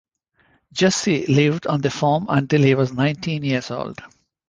Jesse lived on the farm until he was nineteen years old.